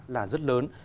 là rất lớn